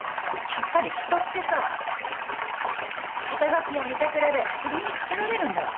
やっぱり人ってさ肩書や見てくれでふるいにかけられるんだよ。